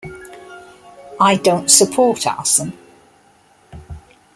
I don't support arson.